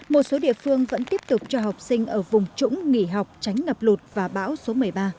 một số địa phương vẫn tiếp tục cho học sinh ở vùng trũng nghỉ học tránh ngập lụt và bão số một mươi ba